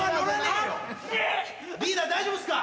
リーダー大丈夫っすか？